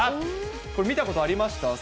これ、見たことありました？